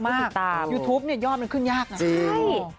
มากยูทูปเนี่ยยอมมันขึ้นยากนะ